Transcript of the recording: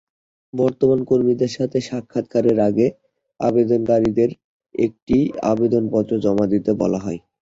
বর্তমান কর্মীদের সাথে সাক্ষাৎকারের আগে আবেদনকারীদের একটি আবেদনপত্র জমা দিতে বলা হয়।